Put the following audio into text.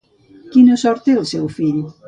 Quina sort té el seu fill?